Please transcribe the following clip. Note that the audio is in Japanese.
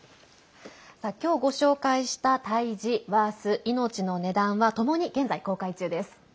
今日ご紹介した「対峙」「ワース命の値段」はともに現在公開中です。